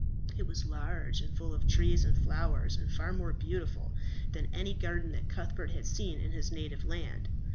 It was large, and full of trees and flowers, and far more beautiful than any garden that Cuthbert had seen in his native land.